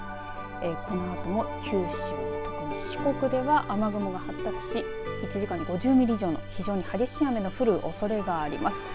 このあとも九州四国では雨雲が発達し１時間に５０ミリ以上の非常に激しい雨の降るおそれがあります。